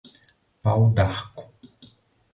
Pau-d'Arco